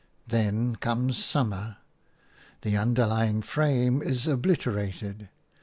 Then comes summer; the underlying frame is obliterated.